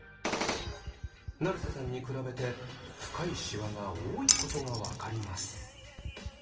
成瀬さんに比べて深いシワが多いことが分かります。